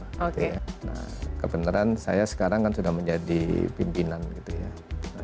nah kebenaran saya sekarang kan sudah menjadi pimpinan gitu ya